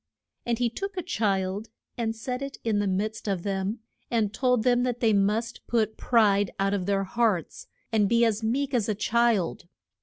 And he took a child and set it in the midst of them, and told them that they must put pride out of their hearts and be as meek as a child.